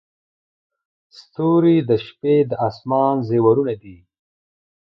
• ستوري د شپې د اسمان زیورونه دي.